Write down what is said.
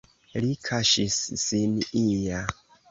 Li kaŝis sin ia.